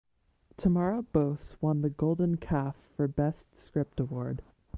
Tamara Bos won the Golden Calf for Best Script award.